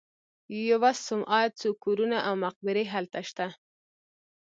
یوه صومعه، څو کورونه او مقبرې هلته شته.